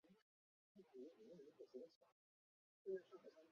周旧邦木坊的历史年代为明代。